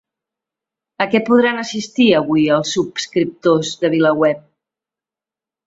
A què podran assistir avui els subscriptors de VilaWeb?